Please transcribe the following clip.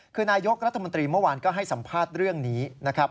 คือนายกรัฐมนตรีเมื่อวานก็ให้สัมภาษณ์เรื่องนี้นะครับ